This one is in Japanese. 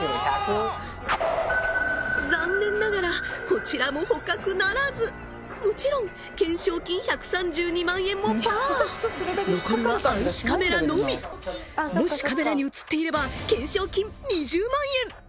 残念ながらこちらも捕獲ならずもちろん懸賞金１３２万円もパーもしカメラにうつっていれば懸賞金２０万円！